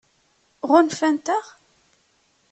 Ɣunfant-aɣ?